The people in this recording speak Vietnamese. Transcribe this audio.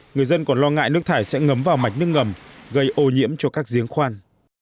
người dân còn lo ngại nước thải sẽ ngấm vào mạch nước ngầm gây ô nhiễm cho các giếng khoan